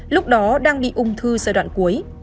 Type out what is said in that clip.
lúc đó đang bị ung thư giai đoạn cuối